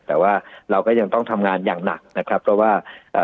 แต่ว่าเราก็ยังต้องทำงานอย่างหนักนะครับเพราะว่าเอ่อ